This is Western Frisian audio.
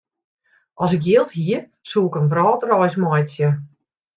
As ik jild hie, soe ik in wrâldreis meitsje.